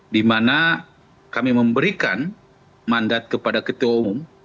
di mana kami memberikan mandat kepada ketua umum